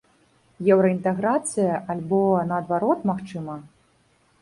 Еўраінтэграцыя альбо, наадварот, магчыма?